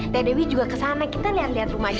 dedewi juga ke sana kita lihat lihat rumahnya